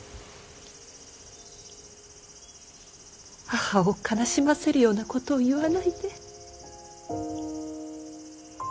母を悲しませるようなことを言わないで。